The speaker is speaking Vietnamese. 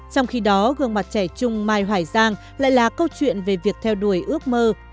trong khi đó gương mặt trẻ trung mai hoài giang lại là câu chuyện về việc theo đuổi ước mơ